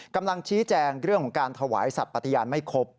กำลังชี้แจงเรื่องของการถวายสัตว์ปฏิญาณไม่ครบ